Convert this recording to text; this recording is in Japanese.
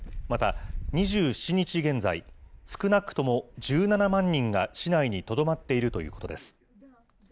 また、２７日現在、少なくとも１７万人が市内にとどまっているということです。